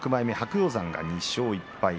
鷹山が２勝１敗。